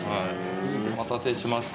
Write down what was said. お待たせしました。